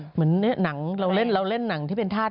เหมือนหนังเราเล่นหนังที่เป็นธาตุ